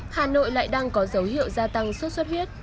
hà nội lại đang có dấu hiệu gia tăng sốt xuất huyết